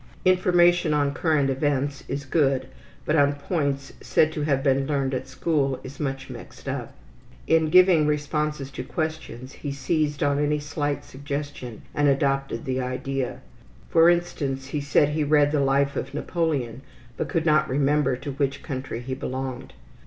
Information on current events is good, but on points said to have been learned at school is much mixed up. In giving responses to questions, he seized on any slight suggestion and adopted the idea. For instance, he said he had read the life of Napoleon, but could not remember to which country he belonged.